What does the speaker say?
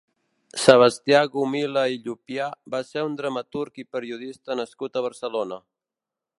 Sebastià Gomila i Llupià va ser un dramaturg i periodista nascut a Barcelona.